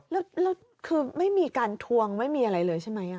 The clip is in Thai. แล้วคือไม่มีการทวงไม่มีอะไรเลยใช่ไหม